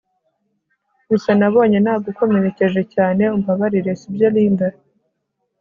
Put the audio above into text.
gusa nabonye nagukomerekeje cyane umbabarire sibyo Linda